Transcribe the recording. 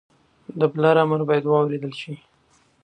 د پلار امر باید واورېدل شي